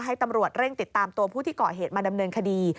ให้ตำรวจเร่งติดตามตัวผู้ที่ก่อเหตุมาดำเนินคดี